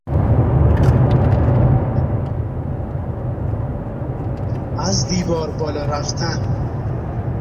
از دیوار بالا رفتن